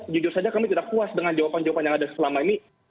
jujur saja kami tidak puas dengan jawaban jawaban yang ada selama ini